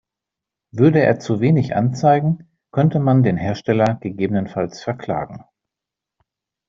Würde er zu wenig anzeigen, könnte man den Hersteller gegebenenfalls verklagen.